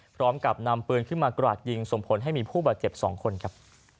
พร้อมกับนำปืนขึ้นมากราดยิงส่งผลให้มีผู้บาดเจ็บ๒คนครับ